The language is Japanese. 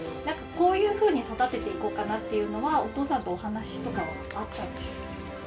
こういうふうに育てて行こうかなっていうのはお父さんとお話とかはあったんですか？